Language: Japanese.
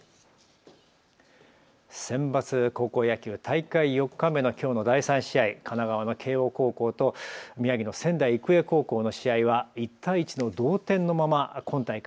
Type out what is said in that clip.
センバツ高校野球、大会４日目のきょうの第３試合、神奈川の慶応高校と宮城の仙台育英高校の試合は１対１の同点のまま今大会